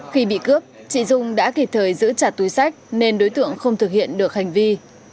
khi bị cướp chị dung đã kịp thời giữ chặt túi sách nên đối tượng không thực hiện được hành vi